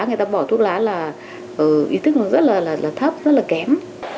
người ta bỏ thuốc lá là ý thức nó rất là thấp rất là kém